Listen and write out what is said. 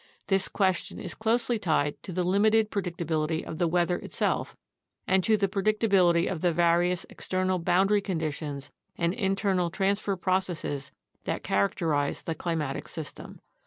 This question is closely tied to the limited predictability of the weather itself and to the predictability of the various external boundary conditions and inter nal transfer processes that characterize the climatic system.